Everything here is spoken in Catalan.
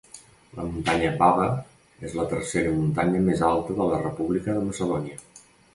La muntanya Baba és la tercera muntanya més alta de la República de Macedònia.